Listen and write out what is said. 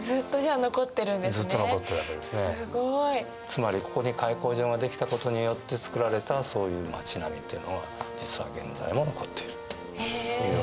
つまりここに開港場が出来たことによって作られたそういう街並みというのは実は現在も残っているということですね。